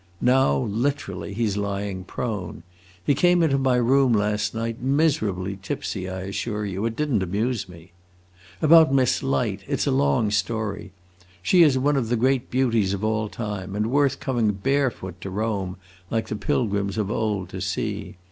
Now, literally, he 's lying prone. He came into my room last night, miserably tipsy. I assure you, it did n't amuse me..... About Miss Light it 's a long story. She is one of the great beauties of all time, and worth coming barefoot to Rome, like the pilgrims of old, to see.